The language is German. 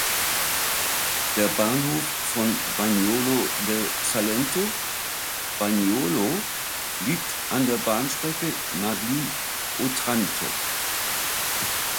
Der Bahnhof von Bagnolo del Salento, "Bagnolo", liegt an der Bahnstrecke Maglie–Otranto.